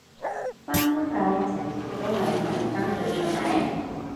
返工界暫時都係嚟生最出名